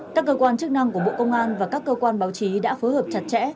các cơ quan chức năng của bộ công an và các cơ quan báo chí đã phối hợp chặt chẽ